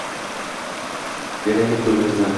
Beraylik ko‘zimizni.